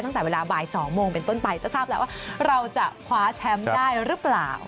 ตั้งแต่เวลาบ่าย๒โมงเป็นต้นไปจะทราบแล้วว่าเราจะคว้าแชมป์ได้หรือเปล่า